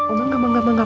oh enggak enggak enggak